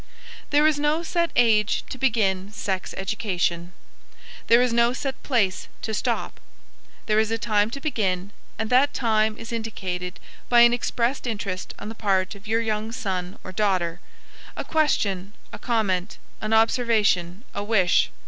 There is no set age to begin sex education. There is no set place to stop. There is a time to begin, and that time is indicated by any expressed interest on the part of your young son or daughter a question, a comment, an observation, a wish.